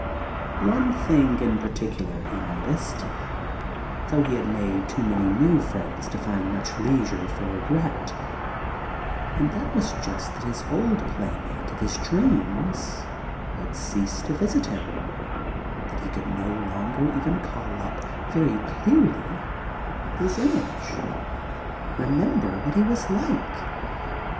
One thing in particular he noticed (though he had made too many new friends to find much leisure for regret), and that was just that the old playmate of his dreams had ceased to visit him, that he could no longer even call up very clearly his image, remember what he was like.